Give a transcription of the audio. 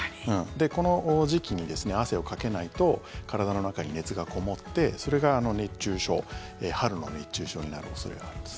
この時期に汗をかけないと体の中に熱がこもってそれが熱中症、春の熱中症になる恐れがあるんです。